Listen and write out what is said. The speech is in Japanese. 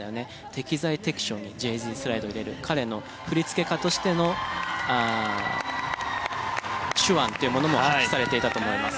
適材適所にジェイジースライドを入れる彼の振付家としての手腕っていうものも発揮されていたと思います。